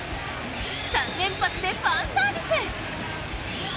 ３連発でファンサービス！